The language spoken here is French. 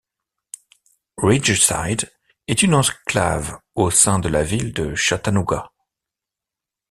Ridgeside est une enclave au sein de la ville de Chattanooga.